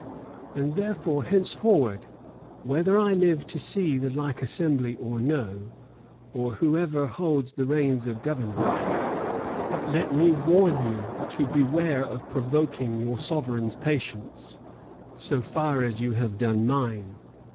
And therefore, henceforward, whether I live to see the like assembly or no, or whoever holds the reins of government, let me warn you to beware of provoking your sovereign's patience, so far as you have done mine.